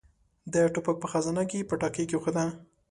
د ټوپک په خزانه کې يې پټاکۍ کېښوده.